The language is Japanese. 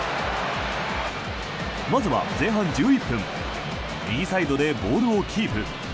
まずは前半１１分右サイドでボールをキープ。